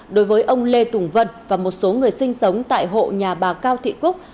đối với ông lê tùng vân và một số người sinh sống tại hộ nhà bà cao thị cúc